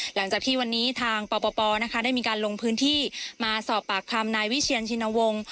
หลังจากที่วันนี้ทางปปได้มีการลงพื้นที่มาสอบปากคำนายวิเชียนชินวงศ์